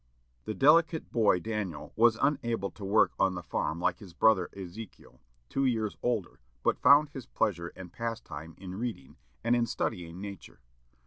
The delicate boy Daniel was unable to work on the farm like his brother Ezekiel, two years older, but found his pleasure and pastime in reading, and in studying nature.